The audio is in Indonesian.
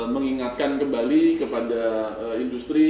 mengingatkan kembali kepada industri